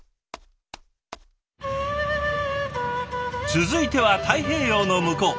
続いては太平洋の向こう。